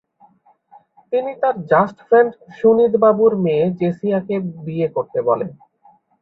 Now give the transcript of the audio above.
তিনি তার just friend Sunid বাবুর মেয়ে জেসিয়াকে বিয়ে করতে বলে।